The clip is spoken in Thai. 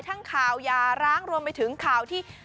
ข่าวยาร้างรวมไปถึงข่าวที่